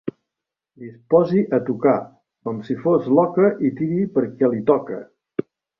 Disposi a tocar, com si fos l'oca i que tiri perquè li toca.